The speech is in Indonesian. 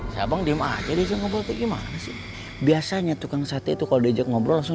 sabang dimana dijemput gimana sih biasanya tukang sate itu kalau diajak ngobrol langsung